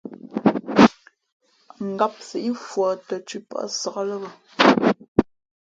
Ngāp síʼ mfūᾱ tα̌ thʉ̄ pάʼ nsāk lά bᾱ.